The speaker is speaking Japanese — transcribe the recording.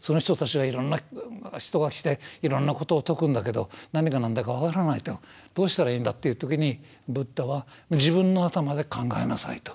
その人たちがいろんな人が来ていろんなことを説くんだけど何が何だか分からないとどうしたらいいんだっていう時にブッダは自分の頭で考えなさいと。